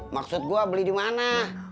maksud gue beli dimana